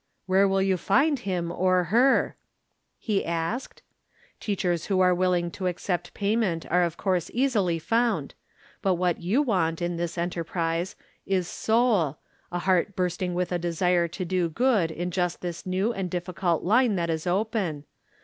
" Where will you find him, or her ?" he asked. I'rom different Standpoints. 149 " Teachers who are willing to accept payment are of course easily found. But vhat you want, in this enterprise, is soul — a heart bursting with a desire to do good in just this new and difficult line that is open.